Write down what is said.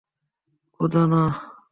খোদা, না।